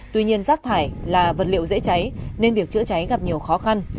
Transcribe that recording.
tuy nhiên rác thải là vật liệu dễ cháy nên việc chữa cháy gặp nhiều khó khăn